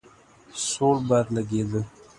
سوړ باد لګېده.